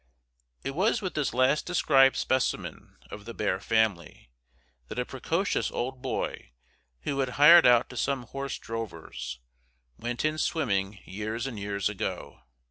It was with this last described specimen of the bear family that a precocious old boy who had hired out to some horse drovers, went in swimming years and years ago.